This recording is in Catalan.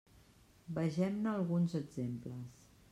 Vegem-ne alguns exemples.